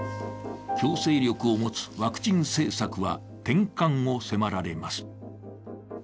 強制力を持つワクチン政策は転換を迫られます。